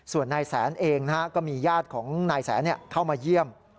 ส่วนนายแสนเองก็มีญาติของนายแสนเข้ามาเยี่ยม